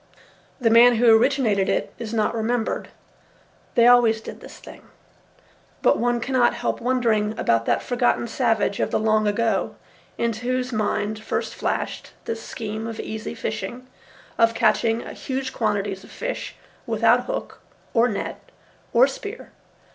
The man who originated it is not remembered. They always did this thing. But one cannot help wondering about that forgotten savage of the long ago, into whose mind first flashed this scheme of easy fishing, of catching huge quantities of fish without hook, or net, or spear.